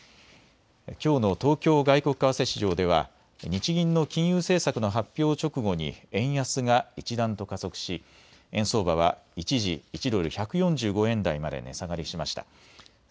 きょうの東京外国為替市場では日銀の金融政策の発表直後に円安が一段と加速し円相場は一時１ドル１４５円台まで値下がりしました。